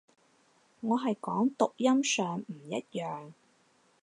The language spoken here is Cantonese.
我係講讀音上唔一樣